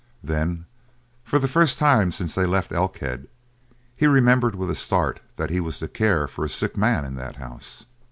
Then, for the first time since they left Elkhead, he remembered with a start that he was to care for a sick man in that house.